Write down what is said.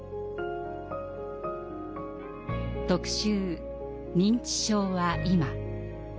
「特集認知症は今」。